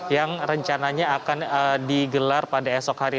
yang rencananya akan digelar pada esok hari